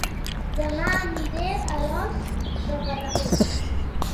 Dema aniré a Alòs de Balaguer